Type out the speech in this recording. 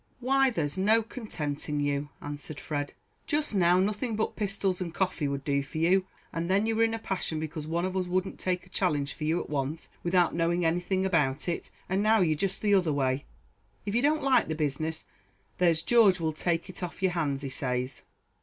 "Why, there's no contenting you," answered Fred; "just now nothing but pistols and coffee would do for you; and then you were in a passion because one of us wouldn't take a challenge for you at once, without knowing anything about it; and now you're just the other way; if you don't like the business, there's George will take it off your hands, he says."